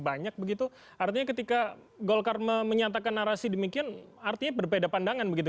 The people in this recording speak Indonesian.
banyak begitu artinya ketika golkar menyatakan narasi demikian artinya berbeda pandangan begitu